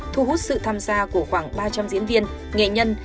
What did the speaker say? thu hút sự tham gia của khoảng ba trăm linh diễn viên nghệ nhân